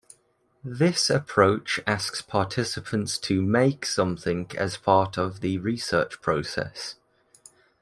This approach asks participants to "make" something as part of the research process.